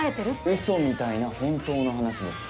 うそみたいな本当の話です。